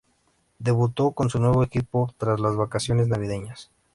Debutó con su nuevo equipo tras las vacaciones navideñas.